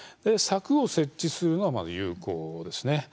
柵を設置するのはまず有効ですね。